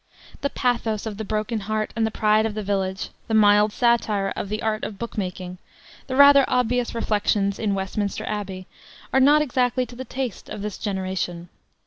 The pathos of the Broken Heart and the Pride of the Village, the mild satire of the Art of Book Making, the rather obvious reflections in Westminster Abbey are not exactly to the taste of this generation.